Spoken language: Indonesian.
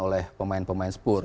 oleh pemain pemain spurs